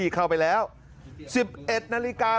เข้าไปแล้ว๑๑นาฬิกา